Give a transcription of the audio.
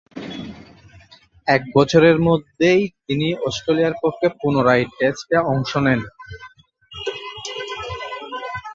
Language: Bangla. এক বছরের মধ্যেই তিনি অস্ট্রেলিয়ার পক্ষে পুনরায় টেস্টে অংশ নেন।